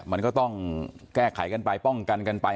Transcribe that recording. มันก็ต้องแก้ไขกันไปป้องกันกันไป